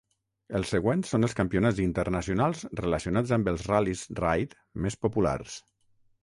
Els següents són els campionats internacionals relacionats amb els ral·lis raid més populars.